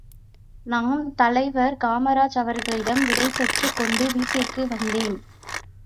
நான் தலைவர் காமராஜ் அவர்களிடம் விடை பெற்றுக் கொண்டு வீட்டிற்கு வந்தேன்.